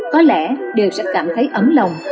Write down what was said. có lẽ đều sẽ cảm thấy ấm lòng